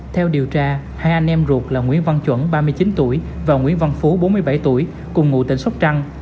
theo điều tra hai anh em ruột là nguyễn văn chuẩn ba mươi chín tuổi và nguyễn văn phú bốn mươi bảy tuổi cùng ngụ tỉnh sóc trăng